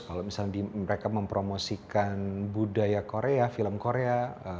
kalau misalnya mereka mempromosikan budaya korea film korea